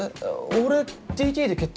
俺ＤＴで決定？